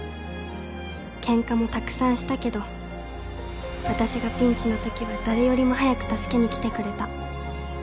喧嘩も沢山したけど私がピンチの時は誰よりも早く助けにきてくれた。